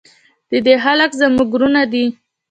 د دې خلک زموږ ورونه دي